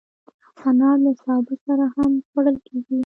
انار له سابه سره هم خوړل کېږي.